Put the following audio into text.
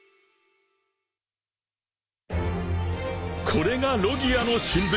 ［これがロギアの神髄！］